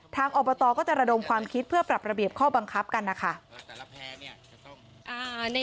อบตก็จะระดมความคิดเพื่อปรับระเบียบข้อบังคับกันนะคะ